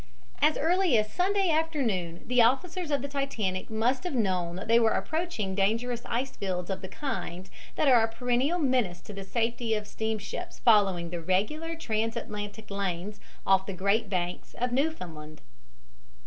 As early as Sunday afternoon the officers of the Titanic must have known that they were approaching dangerous ice fields of the kind that are a perennial menace to the safety of steamships following the regular transatlantic lanes off the Great Banks of Newfoundland.